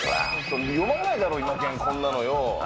読まないだろ、イマケンよ、こんなのよ。